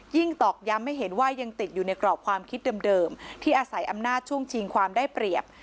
ตอกย้ำให้เห็นว่ายังติดอยู่ในกรอบความคิดเดิมที่อาศัยอำนาจช่วงชิงความได้เปรียบ